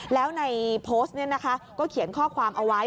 แล้วในโพสต์นี้นะคะก็เขียนข้อความเอาไว้